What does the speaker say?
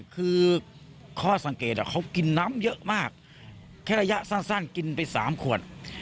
คือข้อสังเกตเขากินน้ำเยอะมากแค่ระยะสั้นกินไป๓ขวด